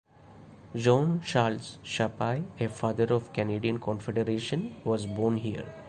Jean-Charles Chapais, a Father of Canadian Confederation, was born here.